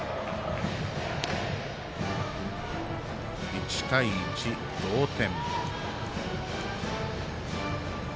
１対１、同点。